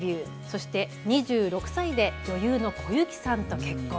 そして２６歳で女優の小雪さんと結婚。